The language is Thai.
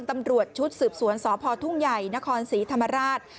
ตำรวจชุดสืบสวนสพทุ่งใหญ่นครศรีธรรมราช